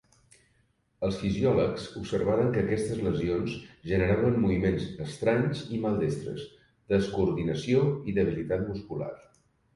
Els fisiòlegs observaren que aquestes lesions generaven moviments estranys i maldestres, descoordinació i debilitat muscular.